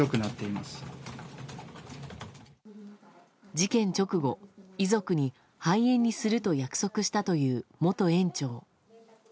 事件直後、遺族に廃園にすると約束したという元園長。